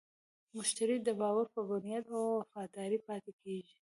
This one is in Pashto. مشتری د باور په بنیاد وفادار پاتې کېږي.